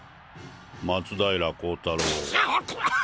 松平孝太郎。